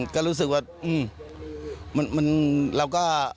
ก็รู้สึกว่าเราก็